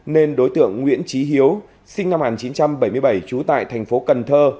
nên đối tượng nguyễn trí hiếu sinh năm một nghìn chín trăm bảy mươi bảy trú tại thành phố cần thơ